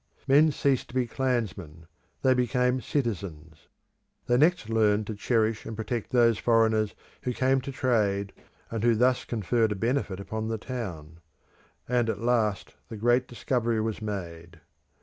Men ceased to be clansmen; they became citizens. They next learnt to cherish and protect those foreigners who came to trade and who thus conferred a benefit upon the town; and at last the great discovery was made.